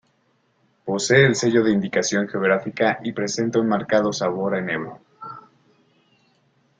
Posee el sello de Indicación Geográfica y presenta un marcado sabor a enebro.